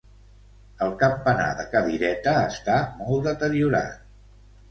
El campanar de cadireta està molt deteriorat.